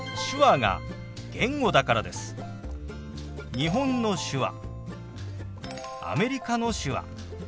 日本の手話アメリカの手話